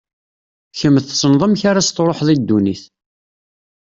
Kemm tessneḍ amek ad as-tṛuḥeḍ i ddunit.